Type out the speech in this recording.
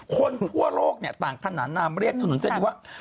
คนทั่วโลกเนี่ยต่างขนาดนั้นเรียกถนนเส้นนี้ว่า